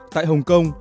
tại hồng kông